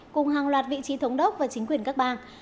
cùng hàng loạt vị trí thống đốc và chính quyền các bang